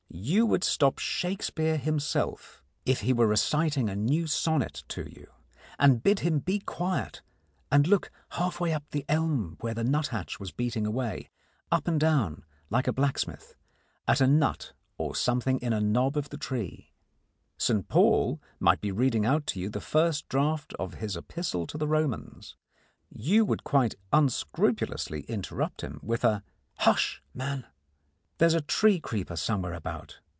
You would stop Shakespeare himself, if he were reciting a new sonnet to you, and bid him be quiet and look half way up the elm where the nuthatch was beating away up and down, like a blacksmith at a nut or something in a knob of the tree. St Paul might be reading out to you the first draft of his Epistle to the Romans; you would quite unscrupulously interrupt him with a "Hush, man! There's a tree creeper somewhere about.